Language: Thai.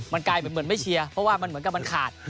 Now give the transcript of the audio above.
มันกลายเหมือนไม่เชียร์เพราะว่ามันเหมือนกับมันขาด